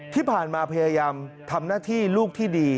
ที่ผ่านมาพยายามทำหน้าที่ลูกที่ดี